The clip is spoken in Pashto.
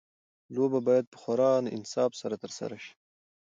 لوبه باید په خورا انصاف سره ترسره شي.